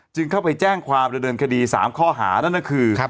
เข้าไปแจ้งความดำเนินคดี๓ข้อหานั่นก็คือ